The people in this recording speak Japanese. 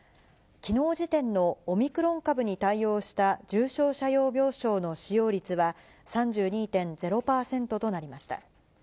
きのう時点のオミクロン株に対応した重症者用病床の使用率は３２．０％となりました。